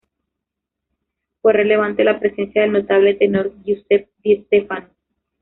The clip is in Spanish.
Fue relevante la presencia del notable tenor Giuseppe di Stefano.